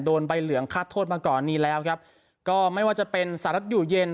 ใบเหลืองคาดโทษมาก่อนนี้แล้วครับก็ไม่ว่าจะเป็นสหรัฐอยู่เย็น